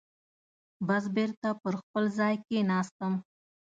بس بېرته پر خپل ځای کېناستم.